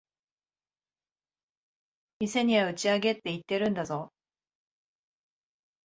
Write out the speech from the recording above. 店には打ち上げって言ってるんだぞ。